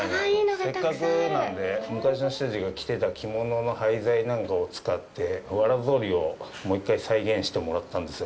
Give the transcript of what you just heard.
せっかくなんで、昔の人たちが着てた着物の廃材なんかを使ってわら草履を、もう一回再現してもらったんですよ。